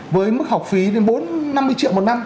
với mức học phí đến năm mươi triệu một năm